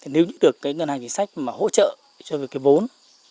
nếu như được cái ngân hàng chính sách mà hỗ trợ cho việc cái vốn